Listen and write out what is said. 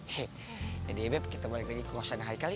he ya deh beb kita balik lagi ke kosongnya haikal yuk